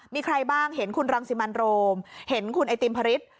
มีใครบ้างเห็นคุณรังสิมันโรมเห็นคุณไอติมพระฤทธิ์